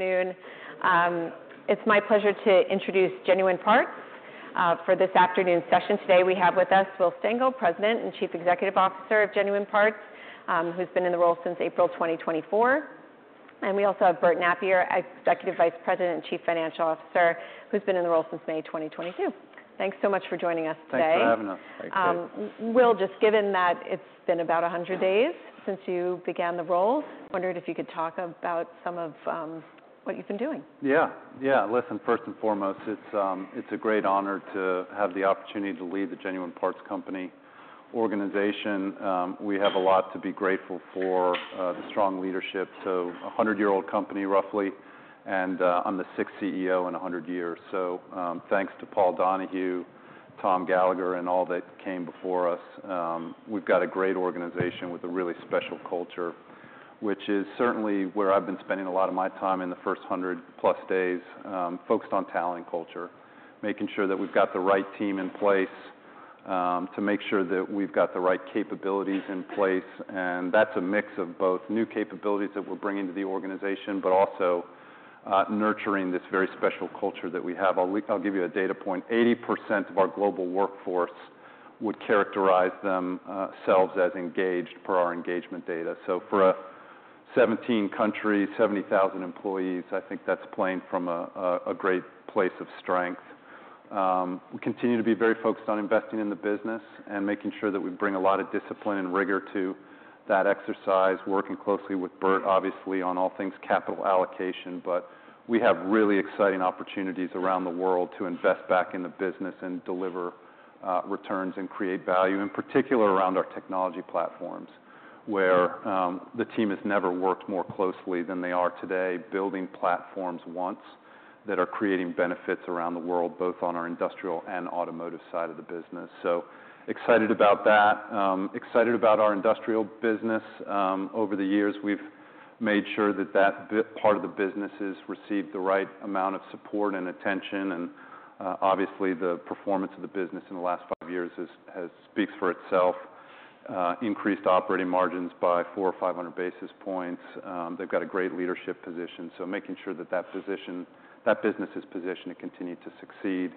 Good afternoon. It's my pleasure to introduce Genuine Parts for this afternoon's session. Today, we have with us Will Stengel, President and Chief Executive Officer of Genuine Parts, who's been in the role since April 2024. And we also have Bert Nappier, Executive Vice President and Chief Financial Officer, who's been in the role since May 2022. Thanks so much for joining us today. Thanks for having us. Thanks. Will, just given that it's been about a hundred days since you began the role, wondering if you could talk about some of what you've been doing? Yeah. Yeah, listen, first and foremost, it's, it's a great honor to have the opportunity to lead the Genuine Parts Company organization. We have a lot to be grateful for, the strong leadership. A hundred-year-old company, roughly, and, I'm the sixth CEO in a hundred years. Thanks to Paul Donahue, Tom Gallagher, and all that came before us. We've got a great organization with a really special culture, which is certainly where I've been spending a lot of my time in the first 100+ days, focused on talent and culture, making sure that we've got the right team in place, to make sure that we've got the right capabilities in place, and that's a mix of both new capabilities that we're bringing to the organization, but also, nurturing this very special culture that we have. I'll give you a data point: 80% of our global workforce would characterize themselves as engaged per our engagement data. So for 17 countries, 70,000 employees, I think that's playing from a great place of strength. We continue to be very focused on investing in the business and making sure that we bring a lot of discipline and rigor to that exercise, working closely with Bert, obviously, on all things capital allocation. But we have really exciting opportunities around the world to invest back in the business and deliver returns and create value, in particular around our technology platforms, where the team has never worked more closely than they are today, building platforms ones that are creating benefits around the world, both on our industrial and automotive side of the business. So excited about that. Excited about our industrial business. Over the years, we've made sure that part of the business has received the right amount of support and attention, and obviously, the performance of the business in the last five years speaks for itself. Increased operating margins by four or five hundred basis points. They've got a great leadership position, so making sure that position, that business, is positioned to continue to succeed.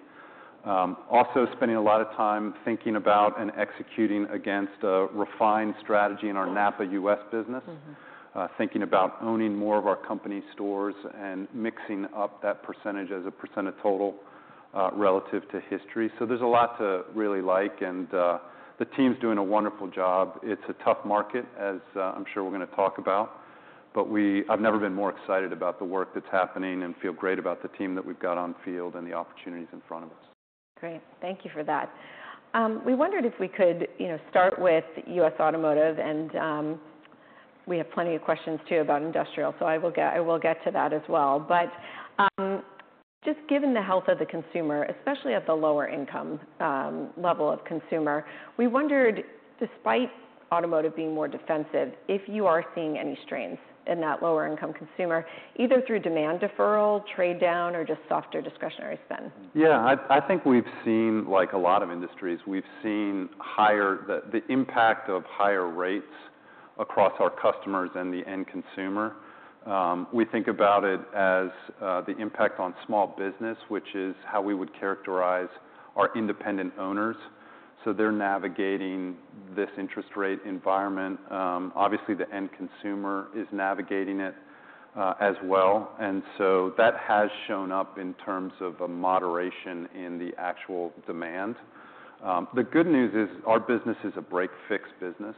Also spending a lot of time thinking about and executing against a refined strategy in our NAPA U.S. business. Mm-hmm. Thinking about owning more of our company stores and mixing up that percentage as a percent of total, relative to history. So there's a lot to really like, and, the team's doing a wonderful job. It's a tough market, as, I'm sure we're gonna talk about, but we... I've never been more excited about the work that's happening and feel great about the team that we've got on field and the opportunities in front of us. Great. Thank you for that. We wondered if we could, you know, start with U.S. Automotive and, we have plenty of questions, too, about Industrial, so I will get to that as well. But, just given the health of the consumer, especially at the lower income level of consumer, we wondered, despite automotive being more defensive, if you are seeing any strains in that lower income consumer, either through demand deferral, trade down, or just softer discretionary spend? Yeah, I think we've seen, like a lot of industries, we've seen the impact of higher rates across our customers and the end consumer. We think about it as the impact on small business, which is how we would characterize our independent owners, so they're navigating this interest rate environment. Obviously, the end consumer is navigating it as well, and so that has shown up in terms of a moderation in the actual demand. The good news is our business is a break/fix business,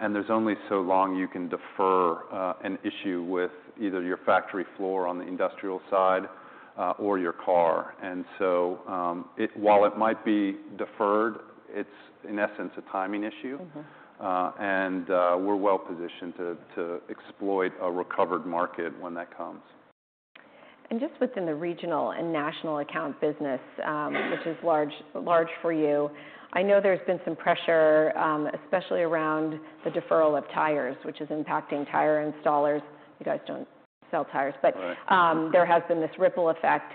and there's only so long you can defer an issue with either your factory floor on the industrial side or your car, and so while it might be deferred, it's in essence a timing issue. Mm-hmm. And we're well positioned to exploit a recovered market when that comes. Just within the regional and national account business, which is large, large for you, I know there's been some pressure, especially around the deferral of tires, which is impacting tire installers. You guys don't sell tires, but- Right.... there has been this ripple effect.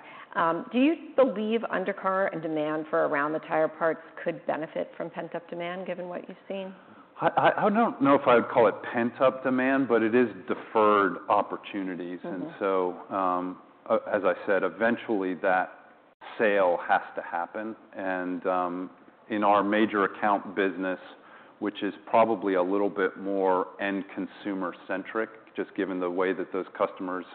Do you believe undercar and demand for around the tire parts could benefit from pent-up demand, given what you've seen? I don't know if I'd call it pent-up demand, but it is deferred opportunities. Mm-hmm. As I said, eventually that sale has to happen, and in our major account business, which is probably a little bit more end consumer centric, just given the way that those customers'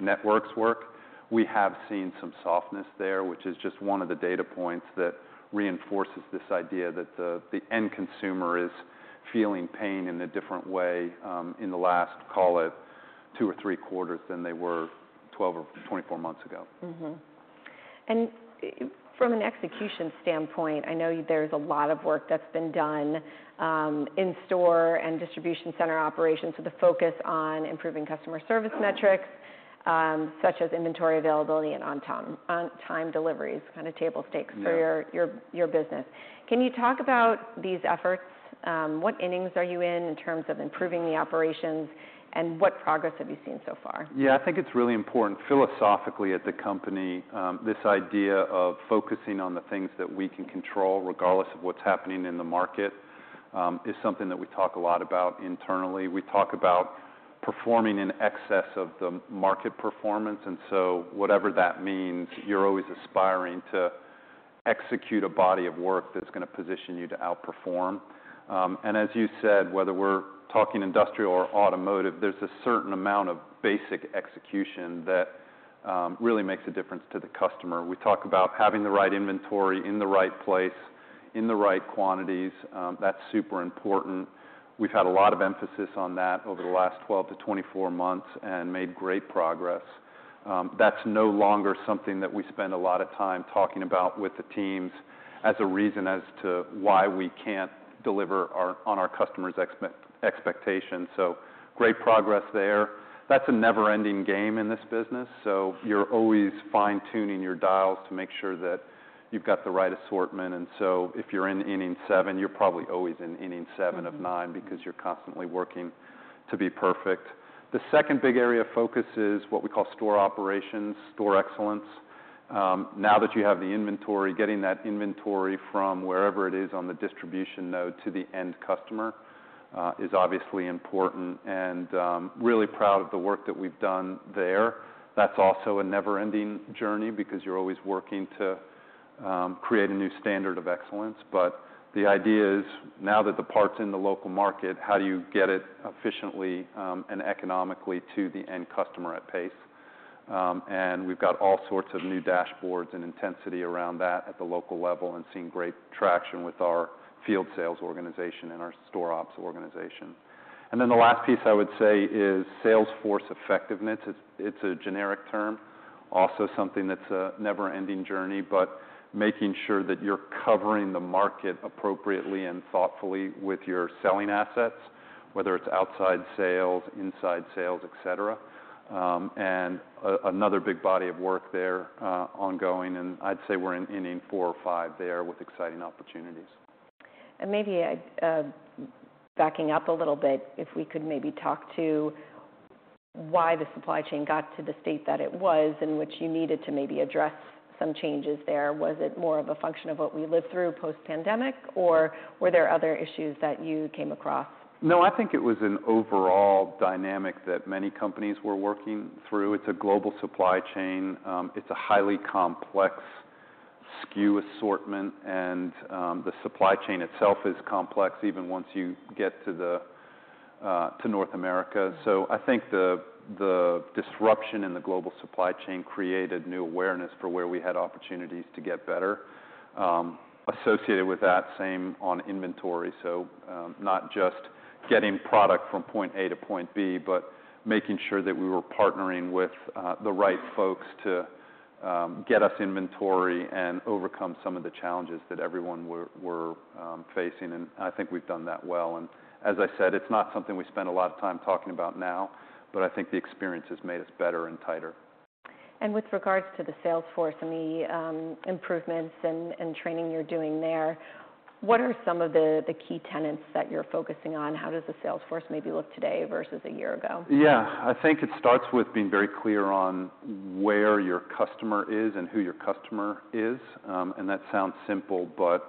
networks work, we have seen some softness there, which is just one of the data points that reinforces this idea that the end consumer is feeling pain in a different way, in the last, call it two or three quarters than they were 12 or 24 months ago. Mm-hmm. And from an execution standpoint, I know there's a lot of work that's been done, in store and distribution center operations, with a focus on improving customer service metrics, such as inventory availability and on time, on-time deliveries, kind of table stakes- Yeah... for your business. Can you talk about these efforts? What innings are you in terms of improving the operations, and what progress have you seen so far? Yeah, I think it's really important philosophically at the company, this idea of focusing on the things that we can control, regardless of what's happening in the market, is something that we talk a lot about internally. We talk about performing in excess of the market performance, and so whatever that means, you're always aspiring to execute a body of work that's gonna position you to outperform, and as you said, whether we're talking industrial or automotive, there's a certain amount of basic execution that, really makes a difference to the customer. We talk about having the right inventory in the right place, in the right quantities, that's super important. We've had a lot of emphasis on that over the last 12-24 months and made great progress. That's no longer something that we spend a lot of time talking about with the teams as a reason as to why we can't deliver on our customers' expectations. So great progress there. That's a never-ending game in this business, so you're always fine-tuning your dials to make sure that you've got the right assortment. And so if you're in inning seven, you're probably always in inning seven of nine- Mm-hmm... because you're constantly working to be perfect. The second big area of focus is what we call store operations, store excellence. Now that you have the inventory, getting that inventory from wherever it is on the distribution node to the end customer is obviously important, and really proud of the work that we've done there. That's also a never-ending journey because you're always working to create a new standard of excellence. But the idea is, now that the part's in the local market, how do you get it efficiently and economically to the end customer at pace? And we've got all sorts of new dashboards and intensity around that at the local level and seeing great traction with our field sales organization and our store ops organization. And then the last piece I would say is sales force effectiveness. It's, it's a generic term, also something that's a never-ending journey, but making sure that you're covering the market appropriately and thoughtfully with your selling assets, whether it's outside sales, inside sales, et cetera. And another big body of work there, ongoing, and I'd say we're in inning four or five there with exciting opportunities. Maybe I'd, backing up a little bit, if we could maybe talk to why the supply chain got to the state that it was, in which you needed to maybe address some changes there. Was it more of a function of what we lived through post-pandemic, or were there other issues that you came across? No, I think it was an overall dynamic that many companies were working through. It's a global supply chain. It's a highly complex SKU assortment, and the supply chain itself is complex, even once you get to North America. Mm-hmm. So I think the disruption in the global supply chain created new awareness for where we had opportunities to get better. Associated with that, same on inventory. So, not just getting product from point A to point B, but making sure that we were partnering with the right folks to get us inventory and overcome some of the challenges that everyone were facing. And I think we've done that well. And as I said, it's not something we spend a lot of time talking about now, but I think the experience has made us better and tighter. With regards to the sales force and the improvements and training you're doing there, what are some of the key tenets that you're focusing on? How does the sales force maybe look today versus a year ago? Yeah. I think it starts with being very clear on where your customer is and who your customer is. And that sounds simple, but,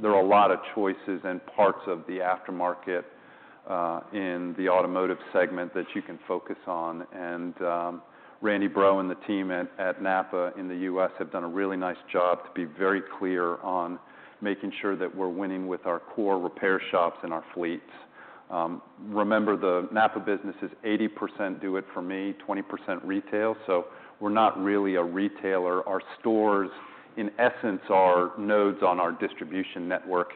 there are a lot of choices and parts of the aftermarket, in the automotive segment that you can focus on. And, Randy Breaux and the team at NAPA in the U.S. have done a really nice job to be very clear on making sure that we're winning with our core repair shops and our fleets. Remember, the NAPA business is 80% do it for me, 20% retail, so we're not really a retailer. Our stores, in essence, are nodes on our distribution network,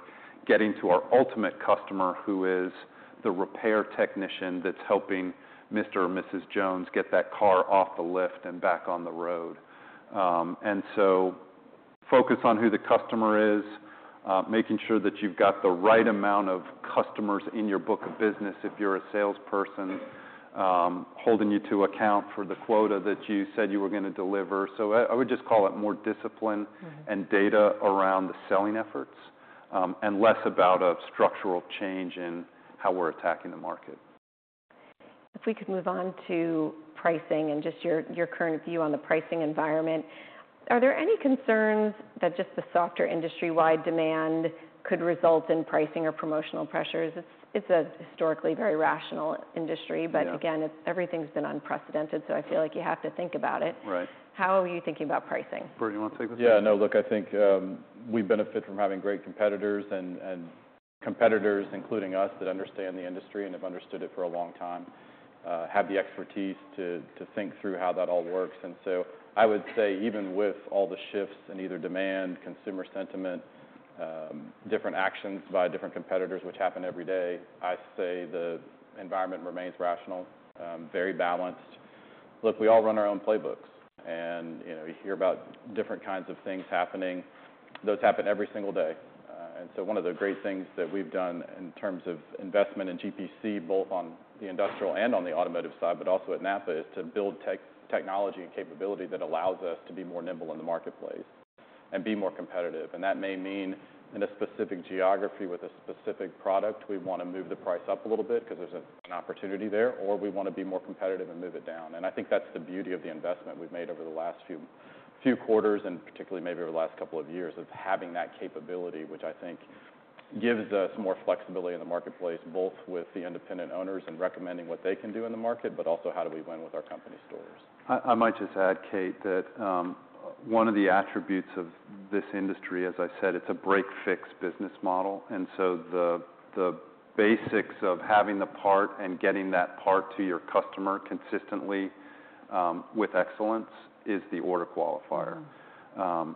getting to our ultimate customer, who is the repair technician that's helping Mr. or Mrs. Jones get that car off the lift and back on the road. And so focus on who the customer is, making sure that you've got the right amount of customers in your book of business if you're a salesperson, holding you to account for the quota that you said you were gonna deliver. So I would just call it more discipline and data around the selling efforts, and less about a structural change in how we're attacking the market. If we could move on to pricing and just your current view on the pricing environment. Are there any concerns that just the softer industry-wide demand could result in pricing or promotional pressures? It's a historically very rational industry- Yeah... but again, it's everything's been unprecedented, so I feel like you have to think about it. Right. How are you thinking about pricing? Bert, you wanna take this? Yeah, no, look, I think we benefit from having great competitors and competitors, including us, that understand the industry and have understood it for a long time, have the expertise to think through how that all works. And so I would say, even with all the shifts in either demand, consumer sentiment, different actions by different competitors, which happen every day, I'd say the environment remains rational, very balanced. Look, we all run our own playbooks, and you know, you hear about different kinds of things happening. Those happen every single day. And so one of the great things that we've done in terms of investment in GPC, both on the industrial and on the automotive side, but also at NAPA, is to build technology and capability that allows us to be more nimble in the marketplace and be more competitive. That may mean, in a specific geography with a specific product, we wanna move the price up a little bit 'cause there's an opportunity there, or we wanna be more competitive and move it down. I think that's the beauty of the investment we've made over the last few quarters, and particularly maybe over the last couple of years, of having that capability, which I think gives us more flexibility in the marketplace, both with the independent owners and recommending what they can do in the market, but also how do we win with our company stores. I might just add, Kate, that one of the attributes of this industry, as I said, it's a break-fix business model, and so the basics of having the part and getting that part to your customer consistently with excellence is the order qualifier. Mm-hmm.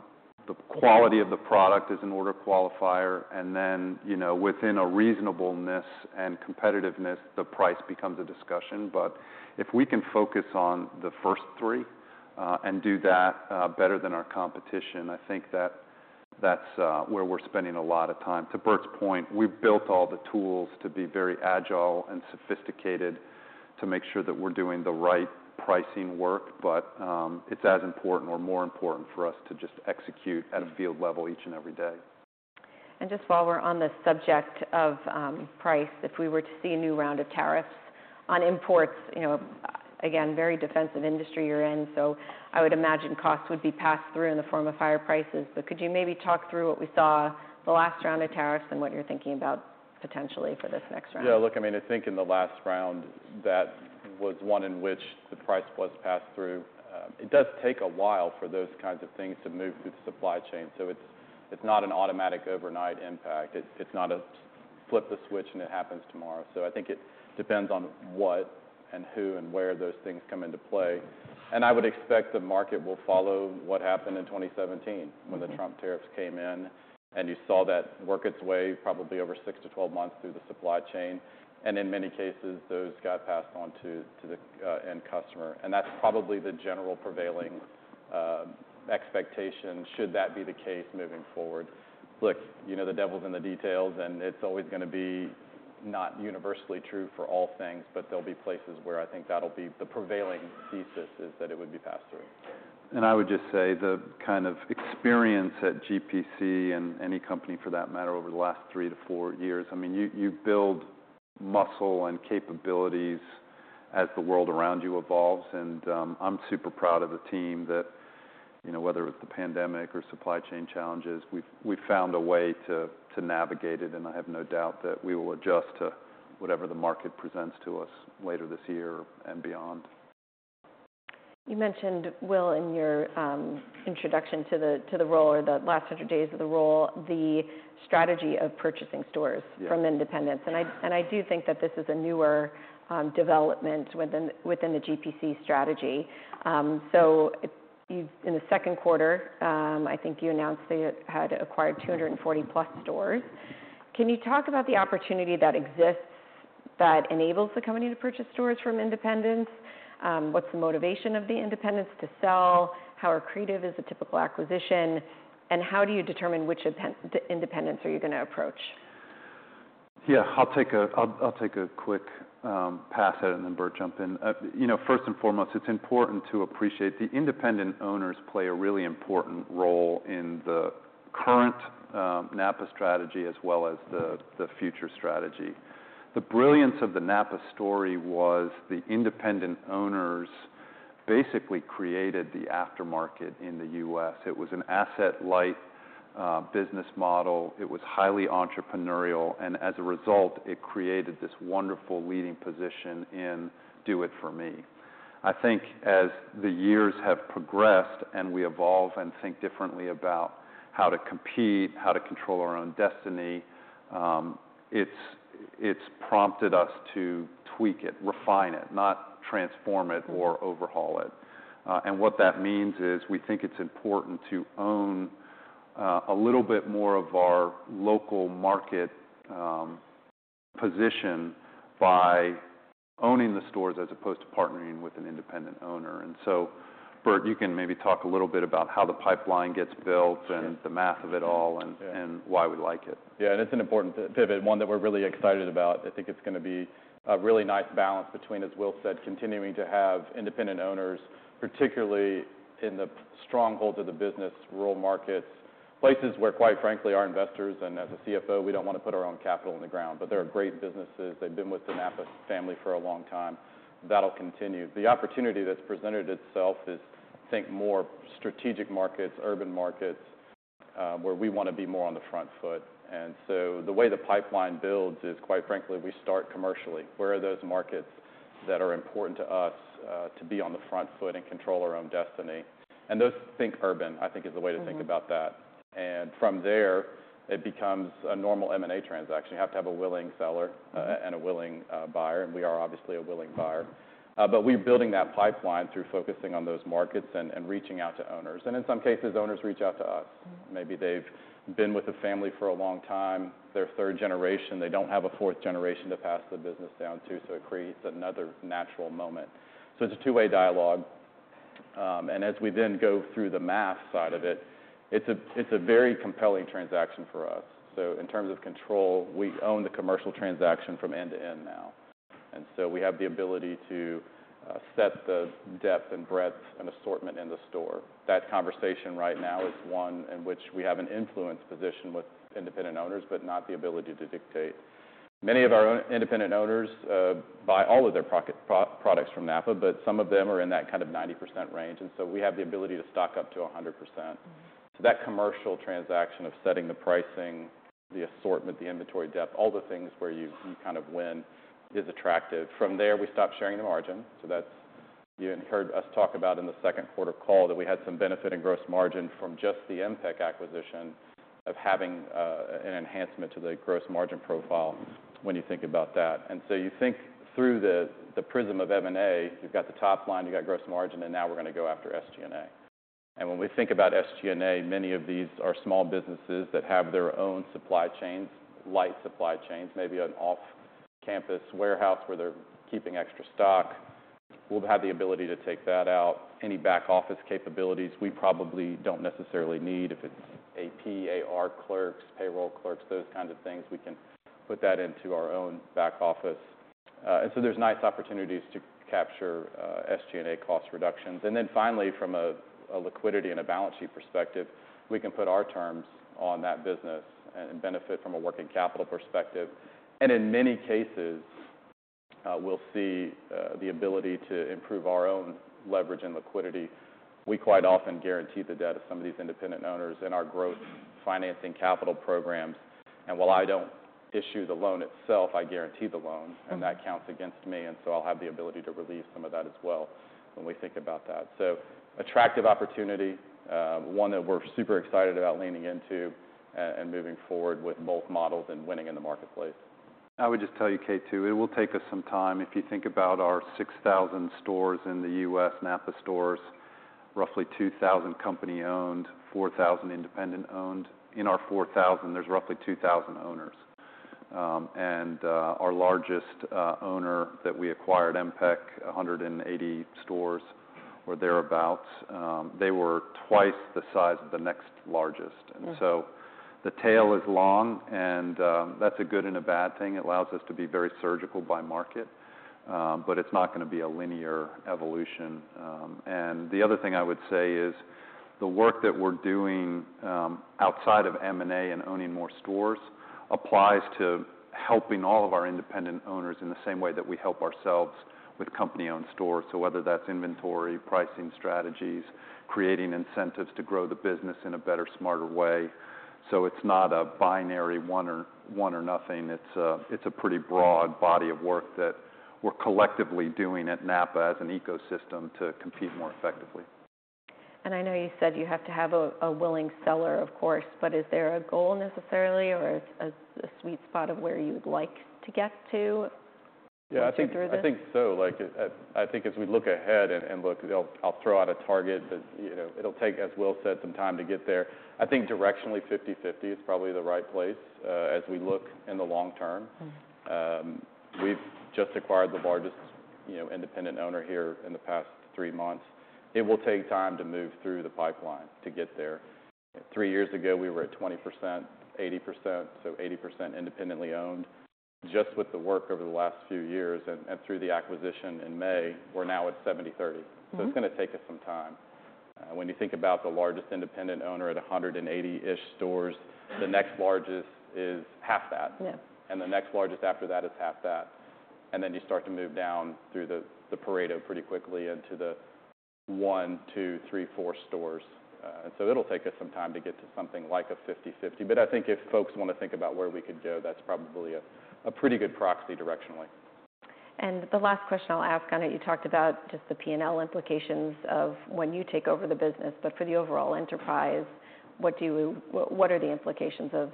The quality of the product is an order qualifier, and then, you know, within a reasonableness and competitiveness, the price becomes a discussion. But if we can focus on the first three, and do that, better than our competition, I think that's where we're spending a lot of time. To Bert's point, we've built all the tools to be very agile and sophisticated, to make sure that we're doing the right pricing work, but, it's as important or more important for us to just execute at a field level each and every day. Just while we're on the subject of price, if we were to see a new round of tariffs on imports, you know, again, very defensive industry you're in, so I would imagine costs would be passed through in the form of higher prices. But could you maybe talk through what we saw the last round of tariffs and what you're thinking about potentially for this next round? Yeah, look, I mean, I think in the last round, that was one in which the price was passed through. It does take a while for those kinds of things to move through the supply chain, so it's not an automatic, overnight impact. It's not a flip a switch, and it happens tomorrow. So I think it depends on what and who and where those things come into play. And I would expect the market will follow what happened in 2017- Mm-hmm... when the Trump tariffs came in, and you saw that work its way, probably over six to 12 months, through the supply chain. And in many cases, those got passed on to the end customer. And that's probably the general prevailing expectation, should that be the case moving forward. Look, you know, the devil's in the details, and it's always gonna be not universally true for all things, but there'll be places where I think that'll be the prevailing thesis, is that it would be passed through. I would just say, the kind of experience at GPC and any company for that matter, over the last three to four years, I mean, you build muscle and capabilities as the world around you evolves. I'm super proud of the team that, you know, whether it's the pandemic or supply chain challenges, we've found a way to navigate it, and I have no doubt that we will adjust to whatever the market presents to us later this year and beyond. You mentioned, Will, in your introduction to the role or the last hundred days of the role, the strategy of purchasing stores from independents. And I do think that this is a newer development within the GPC strategy. So in the Q2, I think you announced that you had acquired 240+ stores. Can you talk about the opportunity that exists, that enables the company to purchase stores from independents? What's the motivation of the independents to sell? How accretive is a typical acquisition, and how do you determine which independents are you gonna approach? Yeah, I'll take a quick pass at it, and then Bert jump in. You know, first and foremost, it's important to appreciate the independent owners play a really important role in the current NAPA strategy, as well as the future strategy. The brilliance of the NAPA story was the independent owners basically created the aftermarket in the U.S. It was an asset-light business model, it was highly entrepreneurial, and as a result, it created this wonderful leading position in Do It For Me. I think as the years have progressed, and we evolve and think differently about how to compete, how to control our own destiny, it's prompted us to tweak it, refine it, not transform it or overhaul it. And what that means is, we think it's important to own a little bit more of our local market position by owning the stores, as opposed to partnering with an independent owner. And so, Bert, you can maybe talk a little bit about how the pipeline gets built. Sure... and the math of it all, and- Yeah - and why we like it. Yeah, and it's an important pivot, one that we're really excited about. I think it's gonna be a really nice balance between, as Will said, continuing to have independent owners, particularly in the strongholds of the business, rural markets, places where, quite frankly, our investors and as a CFO, we don't want to put our own capital in the ground, but they're great businesses. They've been with the NAPA family for a long time. That'll continue. The opportunity that's presented itself is, I think, more strategic markets, urban markets, where we wanna be more on the front foot, and so the way the pipeline builds is, quite frankly, we start commercially. Where are those markets that are important to us, to be on the front foot and control our own destiny, and those, think urban, I think is the way- Mm-hmm... to think about that. And from there, it becomes a normal M&A transaction. You have to have a willing seller, Mm... and a willing, buyer, and we are obviously a willing buyer. But we're building that pipeline through focusing on those markets and, and reaching out to owners. And in some cases, owners reach out to us. Mm. Maybe they've been with the family for a long time. They're third generation. They don't have a fourth generation to pass the business down to, so it creates another natural moment. So it's a two-way dialogue, and as we then go through the math side of it, it's a very compelling transaction for us. So in terms of control, we own the commercial transaction from end to end now, and so we have the ability to set the depth and breadth and assortment in the store. That conversation right now is one in which we have an influence position with independent owners, but not the ability to dictate.... Many of our own independent owners buy all of their products from NAPA, but some of them are in that kind of 90% range, and so we have the ability to stock up to 100%. So that commercial transaction of setting the pricing, the assortment, the inventory depth, all the things where you, you kind of win, is attractive. From there, we stop sharing the margin, so that's you had heard us talk about in the Q2 call, that we had some benefit and gross margin from just the MPEC acquisition of having an enhancement to the gross margin profile when you think about that. And so you think through the prism of M&A, you've got the top line, you've got gross margin, and now we're gonna go after SG&A. And when we think about SG&A, many of these are small businesses that have their own supply chains, light supply chains, maybe an off-campus warehouse where they're keeping extra stock. We'll have the ability to take that out. Any back office capabilities, we probably don't necessarily need. If it's AP, AR clerks, payroll clerks, those kinds of things, we can put that into our own back office. And so there's nice opportunities to capture SG&A cost reductions. And then finally, from a liquidity and a balance sheet perspective, we can put our terms on that business and benefit from a working capital perspective. And in many cases, we'll see the ability to improve our own leverage and liquidity. We quite often guarantee the debt of some of these independent owners in our growth financing capital programs, and while I don't issue the loan itself, I guarantee the loan- Mm-hmm. And that counts against me, and so I'll have the ability to release some of that as well when we think about that. So attractive opportunity, one that we're super excited about leaning into and moving forward with both models and winning in the marketplace. I would just tell you, Kate, too, it will take us some time. If you think about our 6,000 stores in the U.S., NAPA stores, roughly 2,000 company-owned, 4,000 independent-owned. In our 4,000, there's roughly 2,000 owners. And our largest owner that we acquired, MPEC, 180 stores or thereabout, they were twice the size of the next largest. And so the tail is long, and, that's a good and a bad thing. It allows us to be very surgical by market, but it's not gonna be a linear evolution. And the other thing I would say is, the work that we're doing, outside of M&A and owning more stores applies to helping all of our independent owners in the same way that we help ourselves with company-owned stores. So whether that's inventory, pricing strategies, creating incentives to grow the business in a better, smarter way. So it's not a binary one or one or nothing, it's a, it's a pretty broad body of work that we're collectively doing at NAPA as an ecosystem to compete more effectively. I know you said you have to have a willing seller, of course, but is there a goal necessarily or a sweet spot of where you'd like to get to? Yeah, I think- As we go through this? I think so. Like, I think as we look ahead and look, I'll throw out a target that, you know, it'll take, as Will said, some time to get there. I think directionally, fifty-fifty is probably the right place, as we look in the long term. We've just acquired the largest, you know, independent owner here in the past three months. It will take time to move through the pipeline to get there. Three years ago, we were at 20%, 80%, so 80% independently owned. Just with the work over the last few years and through the acquisition in May, we're now at 70-30. So it's gonna take us some time. When you think about the largest independent owner at a hundred and eighty-ish stores, the next largest is half that. Yeah. And the next largest after that is half that, and then you start to move down through the Pareto pretty quickly into the one, two, three, four stores. And so it'll take us some time to get to something like a fifty-fifty, but I think if folks wanna think about where we could go, that's probably a pretty good proxy directionally. The last question I'll ask. I know you talked about just the P&L implications of when you take over the business, but for the overall enterprise, what are the implications of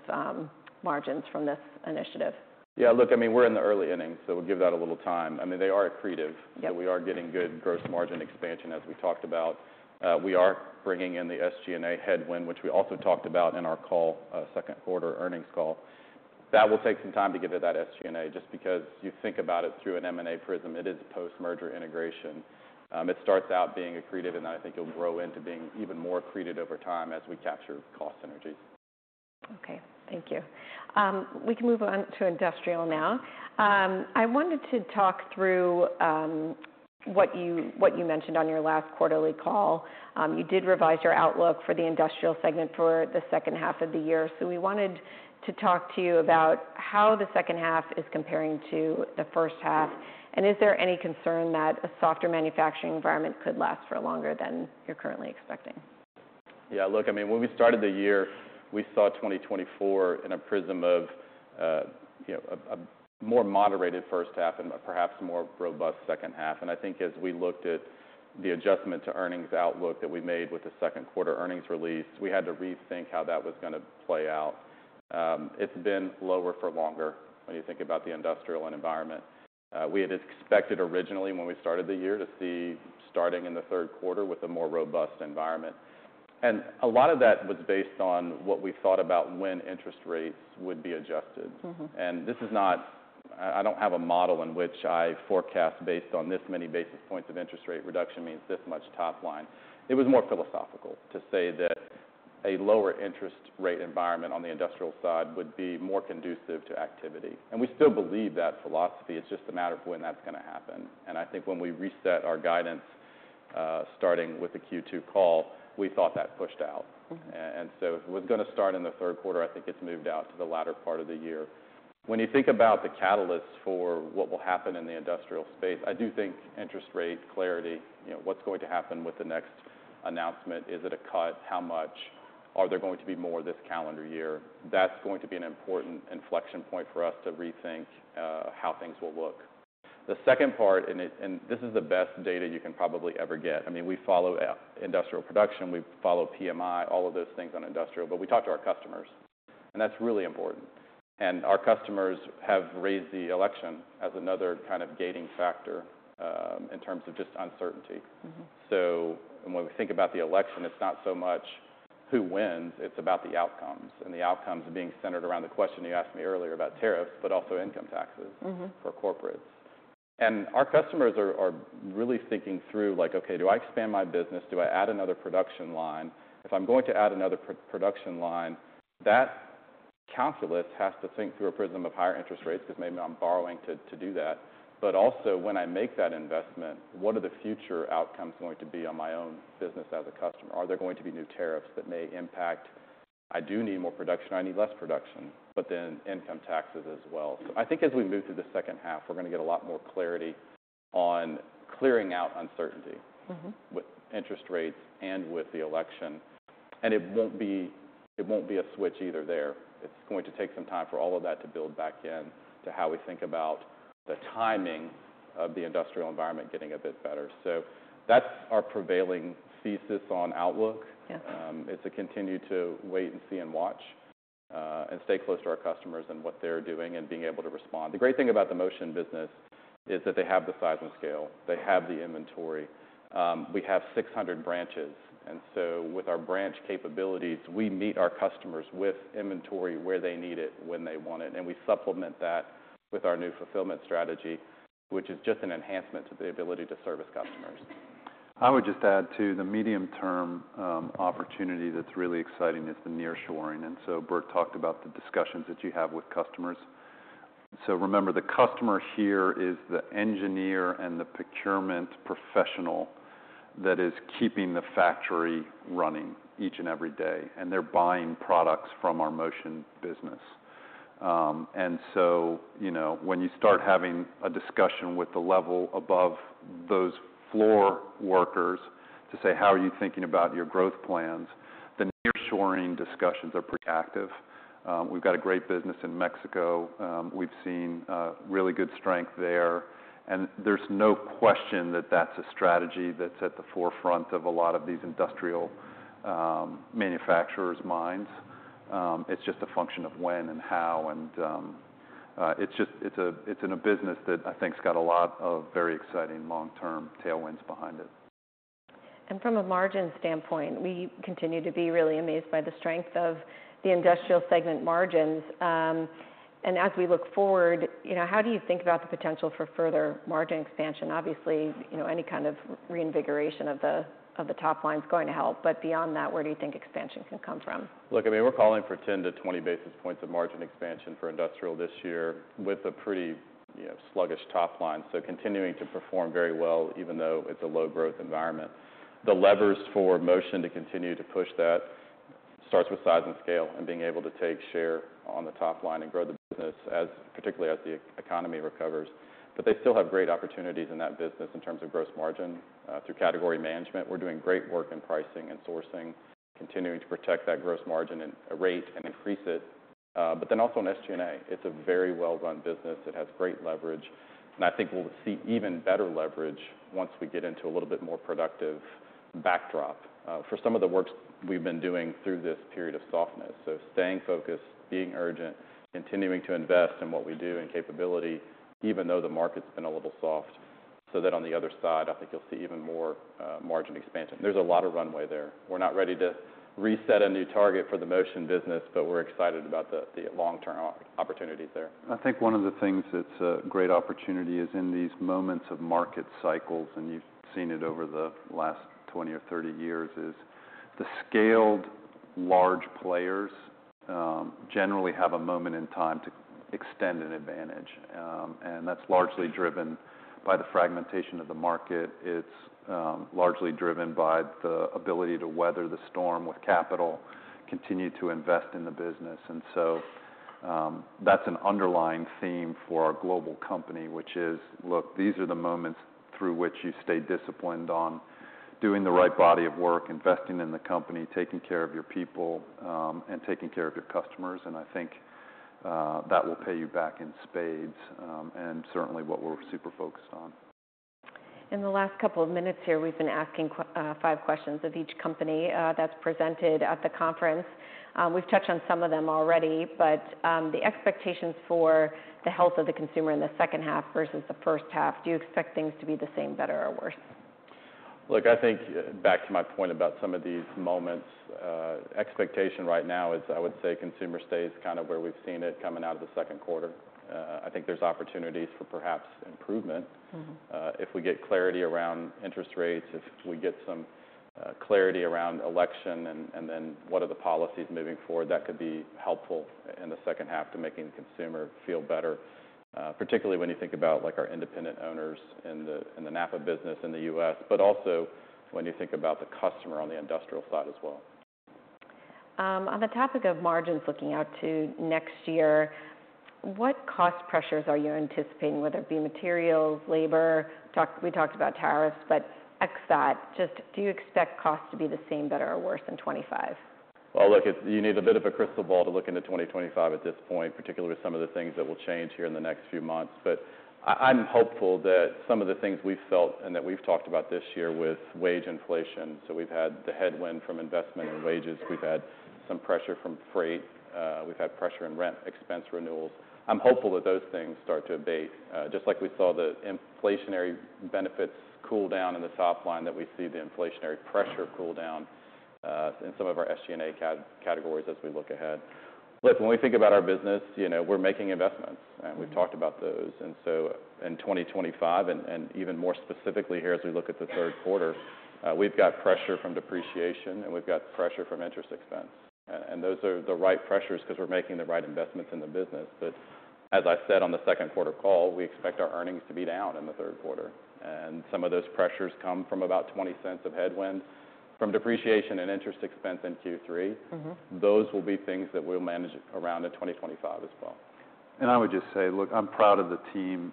margins from this initiative? Yeah, look, I mean, we're in the early innings, so we'll give that a little time. I mean, they are accretive. Yep. So we are getting good gross margin expansion, as we talked about. We are bringing in the SG&A headwind, which we also talked about in our call, Q2 earnings call. That will take some time to get to that SG&A, just because you think about it through an M&A prism, it is post-merger integration. It starts out being accretive, and I think it'll grow into being even more accretive over time as we capture cost synergies. Okay, thank you. We can move on to industrial now. I wanted to talk through what you mentioned on your last quarterly call. You did revise your outlook for the industrial segment for the second half of the year, so we wanted to talk to you about how the second half is comparing to the first half, and is there any concern that a softer manufacturing environment could last for longer than you're currently expecting? Yeah, look, I mean, when we started the year, we saw twenty twenty-four in a prism of, you know, a more moderated first half and perhaps a more robust second half, and I think as we looked at the adjustment to earnings outlook that we made with the Q2 earnings release, we had to rethink how that was gonna play out. It's been lower for longer when you think about the industrial environment. We had expected originally, when we started the year, to see starting in the Q3 with a more robust environment, and a lot of that was based on what we thought about when interest rates would be adjusted. I don't have a model in which I forecast based on this many basis points of interest rate reduction means this much top line. It was more philosophical to say that a lower interest rate environment on the industrial side would be more conducive to activity, and we still believe that philosophy. It's just a matter of when that's gonna happen, and I think when we reset our guidance, starting with the Q2 call, we thought that pushed out, and so it was gonna start in the Q3. I think it's moved out to the latter part of the year. When you think about the catalysts for what will happen in the industrial space, I do think interest rates, clarity, you know, what's going to happen with the next announcement? Is it a cut? How much? Are there going to be more this calendar year? That's going to be an important inflection point for us to rethink how things will look. The second part, and this is the best data you can probably ever get. I mean, we follow industrial production, we follow PMI, all of those things on industrial, but we talk to our customers, and that's really important. And our customers have raised the election as another kind of gating factor in terms of just uncertainty. So when we think about the election, it's not so much who wins, it's about the outcomes, and the outcomes being centered around the question you asked me earlier about tariffs, but also income taxes. for corporates. And our customers are really thinking through, like, "Okay, do I expand my business? Do I add another production line? If I'm going to add another production line, that calculus has to think through a prism of higher interest rates, because maybe I'm borrowing to do that. But also, when I make that investment, what are the future outcomes going to be on my own business as a customer? Are there going to be new tariffs that may impact... I do need more production, I need less production, but then income taxes as well. So, I think as we move through the second half, we're gonna get a lot more clarity on clearing out uncertainty- Mm-hmm. With interest rates and with the election, and it won't be, it won't be a switch either there. It's going to take some time for all of that to build back into how we think about the timing of the industrial environment getting a bit better, so that's our prevailing thesis on outlook. Yeah. Is to continue to wait and see, and watch, and stay close to our customers and what they're doing, and being able to respond. The great thing about the Motion business is that they have the size and scale, they have the inventory. We have 600 branches, and so with our branch capabilities, we meet our customers with inventory where they need it, when they want it, and we supplement that with our new fulfillment strategy, which is just an enhancement to the ability to service customers. I would just add, too, the medium-term opportunity that's really exciting is the nearshoring. And so Bert talked about the discussions that you have with customers. So remember, the customer here is the engineer and the procurement professional that is keeping the factory running each and every day, and they're buying products from our Motion business. And so, you know, when you start having a discussion with the level above those floor workers to say: How are you thinking about your growth plans? The nearshoring discussions are pretty active. We've got a great business in Mexico. We've seen really good strength there, and there's no question that that's a strategy that's at the forefront of a lot of these industrial manufacturers' minds. It's just a function of when and how, and it's in a business that I think has got a lot of very exciting long-term tailwinds behind it. From a margin standpoint, we continue to be really amazed by the strength of the industrial segment margins. As we look forward, you know, how do you think about the potential for further margin expansion? Obviously, you know, any kind of reinvigoration of the top line is going to help, but beyond that, where do you think expansion can come from? Look, I mean, we're calling for 10-20 basis points of margin expansion for industrial this year, with a pretty, you know, sluggish top line, so continuing to perform very well, even though it's a low-growth environment. The levers for Motion to continue to push that starts with size and scale, and being able to take share on the top line and grow the business as, particularly as the economy recovers, but they still have great opportunities in that business in terms of gross margin. Through category management, we're doing great work in pricing and sourcing, continuing to protect that gross margin and rate, and increase it, but then also on SG&A, it's a very well-run business. It has great leverage, and I think we'll see even better leverage once we get into a little bit more productive backdrop for some of the works we've been doing through this period of softness. So staying focused, being urgent, continuing to invest in what we do, and capability, even though the market's been a little soft, so that on the other side, I think you'll see even more margin expansion. There's a lot of runway there. We're not ready to reset a new target for the Motion business, but we're excited about the long-term opportunities there. I think one of the things that's a great opportunity is in these moments of market cycles, and you've seen it over the last 20 or 30 years, is the scaled large players generally have a moment in time to extend an advantage, and that's largely driven by the fragmentation of the market. It's largely driven by the ability to weather the storm with capital, continue to invest in the business. And so, that's an underlying theme for our global company, which is, look, these are the moments through which you stay disciplined on doing the right body of work, investing in the company, taking care of your people, and taking care of your customers, and I think that will pay you back in spades, and certainly what we're super focused on. In the last couple of minutes here, we've been asking five questions of each company that's presented at the conference. We've touched on some of them already, but the expectations for the health of the consumer in the second half versus the first half, do you expect things to be the same, better, or worse? Look, I think, back to my point about some of these moments, expectation right now is, I would say, consumer stays kind of where we've seen it coming out of the Q2. I think there's opportunities for perhaps improvement- Mm-hmm. If we get clarity around interest rates, if we get some clarity around election, and then what are the policies moving forward? That could be helpful in the second half to making the consumer feel better, particularly when you think about, like, our independent owners in the NAPA business in the U.S., but also when you think about the customer on the industrial side as well. On the topic of margins, looking out to next year, what cost pressures are you anticipating, whether it be materials, labor? We talked about tariffs, but ex that, just do you expect costs to be the same, better, or worse than 2025? Look, you need a bit of a crystal ball to look into twenty twenty-five at this point, particularly with some of the things that will change here in the next few months. But I, I'm hopeful that some of the things we've felt and that we've talked about this year with wage inflation, so we've had the headwind from investment in wages, we've had some pressure from freight, we've had pressure in rent, expense renewals. I'm hopeful that those things start to abate. Just like we saw the inflationary benefits cool down in the top line, that we see the inflationary pressure cool down, in some of our SG&A categories as we look ahead. Look, when we think about our business, you know, we're making investments, and we've talked about those. And so in twenty twenty-five, and even more specifically here as we look at the Q3, we've got pressure from depreciation, and we've got pressure from interest expense. And those are the right pressures 'cause we're making the right investments in the business. But as I said on the Q2 call, we expect our earnings to be down in the Q3, and some of those pressures come from about $0.20 of headwind from depreciation and interest expense in Q3. Mm-hmm. Those will be things that we'll manage around in 2025 as well. I would just say, look, I'm proud of the team.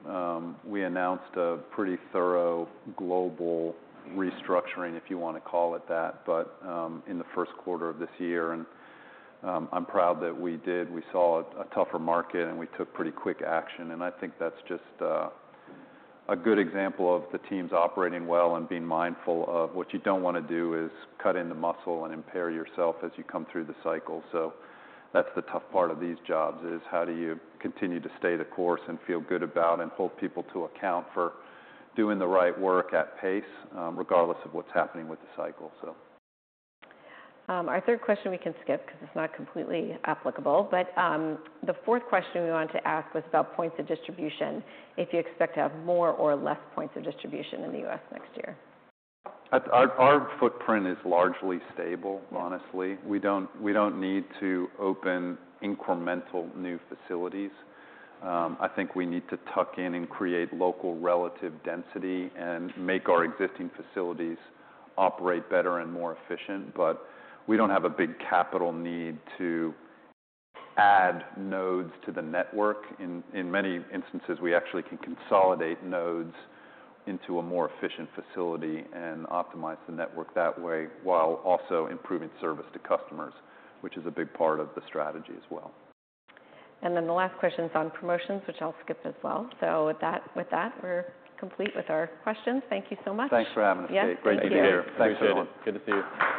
We announced a pretty thorough global restructuring, if you wanna call it that, but in the Q1 of this year, and I'm proud that we did. We saw a tougher market, and we took pretty quick action, and I think that's just a good example of the teams operating well and being mindful of what you don't wanna do, is cut into muscle and impair yourself as you come through the cycle. That's the tough part of these jobs, is how do you continue to stay the course and feel good about, and hold people to account for doing the right work at pace, regardless of what's happening with the cycle so... Our third question we can skip, 'cause it's not completely applicable, but, the fourth question we wanted to ask was about points of distribution, if you expect to have more or less points of distribution in the U.S. next year? Our footprint is largely stable, honestly. We don't need to open incremental new facilities. I think we need to tuck in and create local relative density and make our existing facilities operate better and more efficient, but we don't have a big capital need to add nodes to the network. In many instances, we actually can consolidate nodes into a more efficient facility and optimize the network that way, while also improving service to customers, which is a big part of the strategy as well. And then the last question is on promotions, which I'll skip as well. So with that, with that, we're complete with our questions. Thank you so much. Thanks for having us, Kate. Yes. Great to be here. Thanks, everyone. Appreciate it. Good to see you.